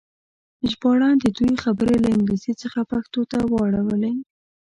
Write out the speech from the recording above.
ژباړن د دوی خبرې له انګلیسي څخه پښتو ته واړولې.